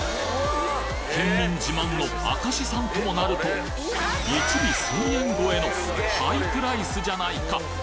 県民自慢の明石産ともなると１尾１０００円超えのハイプライスじゃないか！